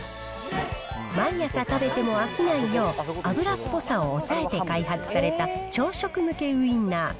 毎朝食べても飽きないよう、脂っぽさを抑えて開発された朝食向けウインナー。